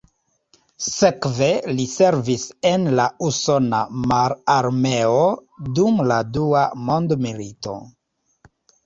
Sekve li servis en la usona mararmeo dum la Dua Mondmilito.